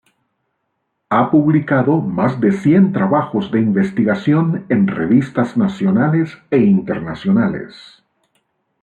Ha publicado más de cien trabajos de investigación en revistas nacionales e internacionales.